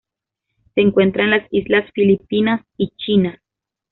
Se encuentra en las Islas Filipinas y China.